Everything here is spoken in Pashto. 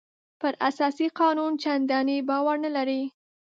پر اساسي قانون چندانې باور نه لري.